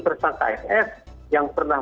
terbang kfs yang pernah